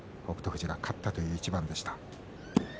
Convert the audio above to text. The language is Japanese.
富士が勝ったという一番でした。